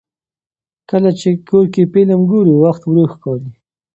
کله چې کور کې فلم ګورو، وخت ورو ښکاري.